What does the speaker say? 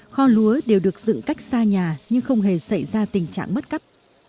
kho lúa đều được dựng cách xa nhà nhưng không hề xảy ra tình trạng mất cấp